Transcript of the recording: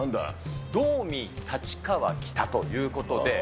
ドーミー立川北ということで。